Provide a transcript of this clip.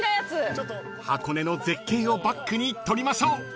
［箱根の絶景をバックに撮りましょう］